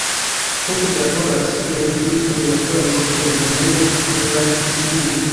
Poste li laboras kiel instruisto de la pola lingvo en lernejoj en la Teŝinio.